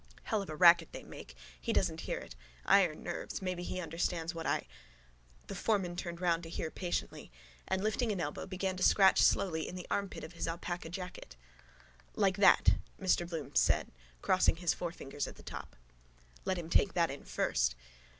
Hell of a racket they make. He doesn't hear it. Nannan. Iron nerves. Maybe he understands what I. The foreman turned round to hear patiently and, lifting an elbow, began to scratch slowly in the armpit of his alpaca jacket. —Like that, Mr Bloom said, crossing his forefingers at the top. Let him take that in first.